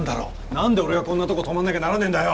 なんで俺がこんなとこ泊まんなきゃならねえんだよ！